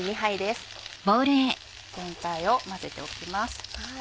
全体を混ぜておきます。